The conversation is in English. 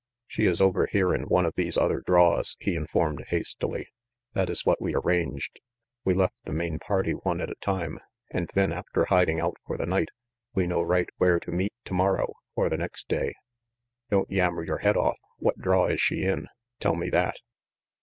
"She is over here in one of these other draws," he informed hastily. "That is what we arranged. We left the main party one at a time, and then, after hiding out for the night, we know right where to meet tomorrow, or the next day "Don't yammer your head off. What draw is she in? Tell me that."